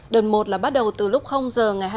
đợt một là bắt đầu từ lúc giờ